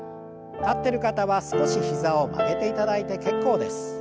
立ってる方は少し膝を曲げていただいて結構です。